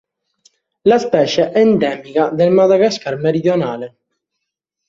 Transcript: La specie è endemica del Madagascar meridionale.